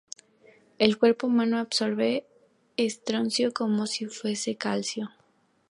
El cuerpo humano absorbe estroncio como si fuese calcio.